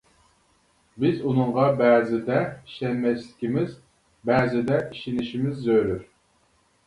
بىز ئۇنىڭغا بەزىدە ئىشەنمەسلىكىمىز بەزىدە ئىشىنىشىمىز زۆرۈر.